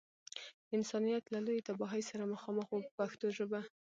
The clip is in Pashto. انسانیت له لویې تباهۍ سره مخامخ و په پښتو ژبه.